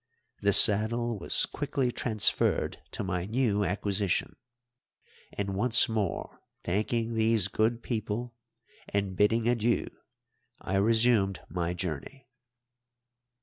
The saddle was quickly transferred to my new acquisition, and, once more thanking these good people and bidding adieu, I resumed my journey.